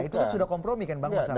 itu sudah kompromi kan bang mas arjuna